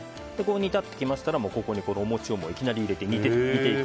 煮立ってきましたらお餅をいきなり入れて煮ていく。